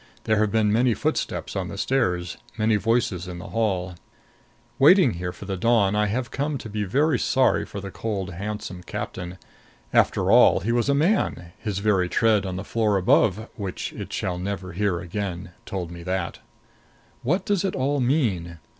There have been many footsteps on the stairs, many voices in the hall. Waiting here for the dawn, I have come to be very sorry for the cold handsome captain. After all, he was a man; his very tread on the floor above, which it shall never hear again, told me that. What does it all mean?